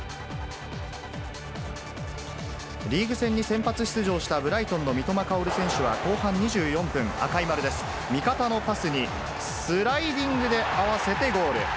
リーグ戦に先発出場したブライトンの三笘薫選手は後半２４分、赤い丸です、味方のパスに、スライディングで合わせてゴール。